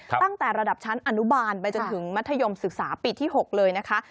ตั้งแต่ระดับชั้นอนุบาลไปจนถึงมัธยมศึกษาปีที่๖เลยนะคะ